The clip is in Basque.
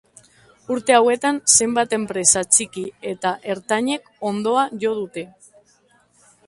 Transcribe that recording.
Urte hauetan zenbait enpresa txiki eta ertainek hondoa jo dute.